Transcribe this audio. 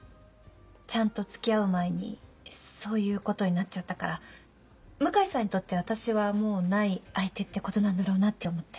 ちゃんと付き合う前にそういうことになっちゃったから向井さんにとって私はもうない相手ってことなんだろうなって思って。